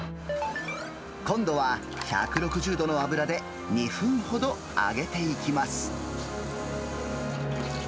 今度は１６０度の油で２分ほど揚げていきます。